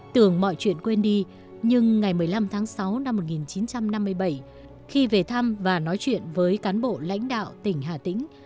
tưởng mọi chuyện quên đi nhưng ngày một mươi năm tháng sáu năm một nghìn chín trăm năm mươi bảy khi về thăm và nói chuyện với cán bộ lãnh đạo tỉnh hà tĩnh